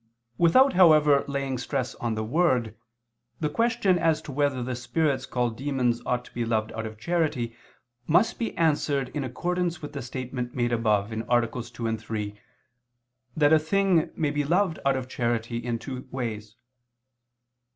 Without however laying stress on the word, the question as to whether the spirits called demons ought to be loved out of charity, must be answered in accordance with the statement made above (AA. 2, 3), that a thing may be loved out of charity in two ways.